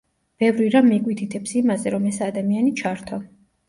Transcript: ბევრი რამ მიგვითითებს იმაზე, რომ ეს ადამიანი ჩართო.